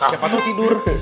siapa tuh tidur